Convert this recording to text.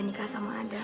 nikah sama ada